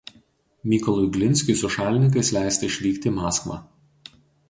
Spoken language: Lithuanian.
Mykolui Glinskiui su šalininkais leista išvykti į Maskvą.